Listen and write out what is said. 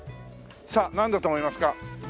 さあなんだと思いますか？